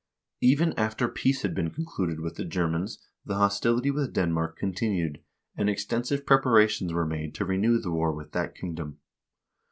Even after peace had been concluded with the Germans, the hostility with Denmark continued, and extensive preparations were made to renew the war with that kingdom.